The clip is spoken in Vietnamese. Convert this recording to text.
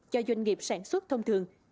cho doanh nghiệp sản xuất thông thường